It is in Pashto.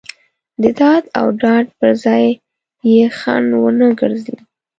د داد او ډاډ پر ځای یې خنډ ونه ګرځي.